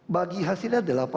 bagi hasilnya delapan puluh